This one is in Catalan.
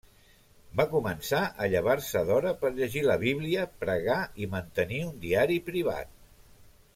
Va començar a llevar-se d'hora per llegir la Bíblia, pregar i mantenir un diari privat.